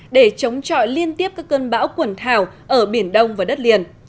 để chống chọi liên tiếp các cơn bão quần thảo ở biển đông và đất liền